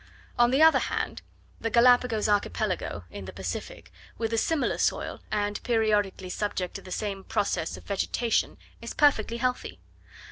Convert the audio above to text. On the other hand, the Galapagos Archipelago, in the Pacific, with a similar soil, and periodically subject to the same process of vegetation, is perfectly healthy.